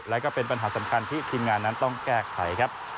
และก็เป็นปัญหาสำคัญที่ทีมงานนั้นต้องแก้ไขครับ